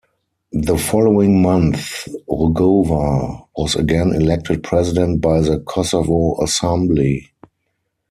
The following month, Rugova was again elected President by the Kosovo Assembly.